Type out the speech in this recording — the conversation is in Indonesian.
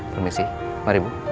permisi mari bu